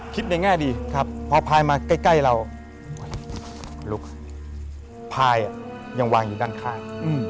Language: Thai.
ในแง่ดีครับพอพายมาใกล้เราลุกพายยังวางอยู่ด้านข้าง